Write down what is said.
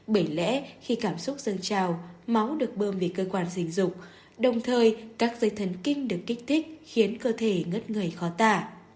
bởi lẽ khi cảm xúc dâng trào máu được bơm về cơ quan sinh dục đồng thời các dây thần kinh được kích thích khiến cơ thể ngất ngầy khó tả